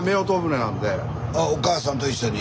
あお母さんと一緒に。